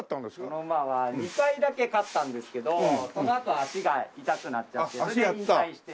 この馬は２回だけ勝ったんですけどそのあと足が痛くなっちゃってそれで引退して。